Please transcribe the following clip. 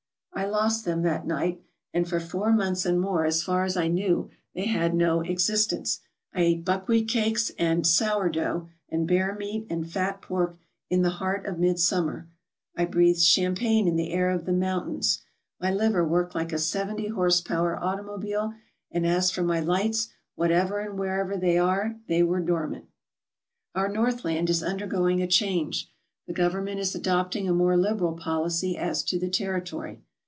I lost them that night; and for four months and more, as far as I knew, they had no existence. I ate buckwheat cakes and "sour dough/ 1 and bear meat and fat pork in the heart of midsummer; 3 JUST A WORD BEFORE WE START I breathed champagne in the air of the mountains; my liver worked like a seventy horsepower automobile, and as for my lights, whatever and wherever they are, they were dormant. ,* Our Northland is undergoing a change. The Govern ment is adopting a more liberal policy as to the territory.